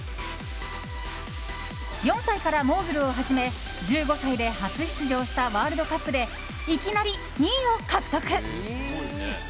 ４歳からモーグルを始め１５歳で初出場したワールドカップでいきなり２位を獲得。